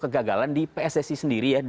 kegagalan di pssi sendiri